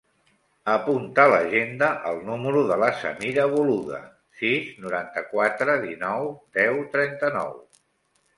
Apunta a l'agenda el número de la Samira Boluda: sis, noranta-quatre, dinou, deu, trenta-nou.